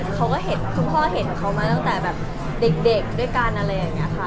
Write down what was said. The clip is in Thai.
คุณพ่อเห็นเขามาตั้งแต่เด็กด้วยกันอะไรอย่างนี้ค่ะ